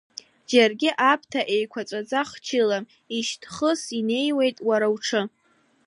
Џьаргьы аԥҭа еиқәаҵәа хчылам, ишьҭхыс инеиуеит уара уҽы.